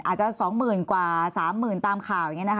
อาจจะสองหมื่นกว่าสามหมื่นตามคราว